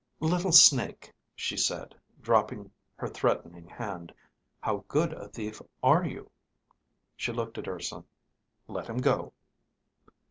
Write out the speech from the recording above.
"Little Snake," she said, dropping her threatening hand, "how good a thief are you?" She looked at Urson. "Let him go."